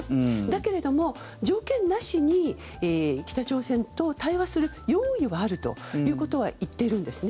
だけれども条件なしに北朝鮮と対話する用意はあるということは言っているんです。